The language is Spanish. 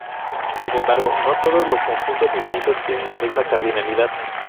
Sin embargo, no todos los conjuntos infinitos tienen la misma cardinalidad.